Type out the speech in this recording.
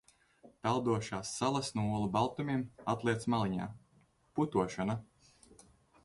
Peldošās salas no olu baltumiem, atliec maliņā. Putošana.